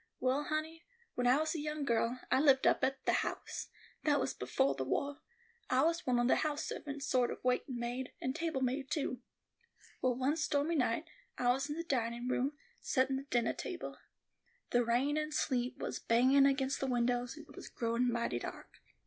Well, honey, when I was a young girl, I lived up at The House; that was befo' the wah. I was one of the house servants, sort of waitin' maid, and table maid, too. Well, one stormy night, I was in the dinin' room, settin' the dinnah table. The rain and sleet was bangin' aginst the windows, and it was growin' mighty dark.